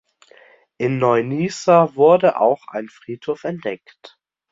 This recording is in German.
In Neu-Nisa wurde auch ein Friedhof entdeckt.